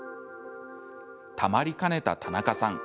たまりかねた田中さん。